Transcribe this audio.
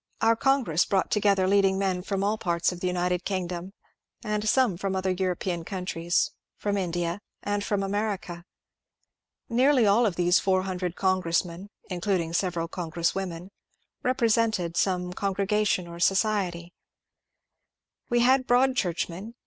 Our congress brought together leading men from all parts of the United Kingdom, and some from other European countries, from India, and from America. Nearly all of these 400 congressmen (including several congresswomen) repre sented some congregation or society. We had Broadchurch men.